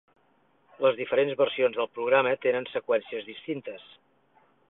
Les diferents versions del programa tenen seqüències distintes.